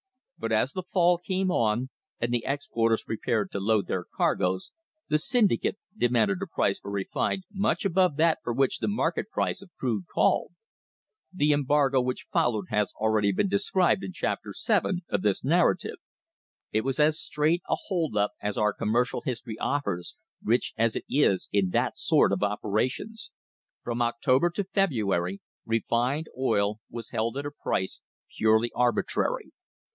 But as the fall came on and the exporters prepared to load their cargoes, the syndicate demanded a price for refined much above that for which the market price of crude called. The embargo which followed has already been described in Chapter VII of this narrative. It was as straight a hold up as our commercial history offers, rich as it is in that sort of operations. From October to February refined oil was held at a price purely arbitrary.